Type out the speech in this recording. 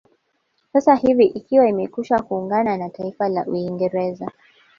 Sasa hivi ikiwa imekwisha kuungana na taifa la Uingerza